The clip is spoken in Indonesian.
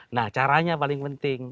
nah caranya paling penting